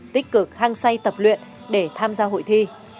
tích cực hăng say tập luyện để tham gia hội thi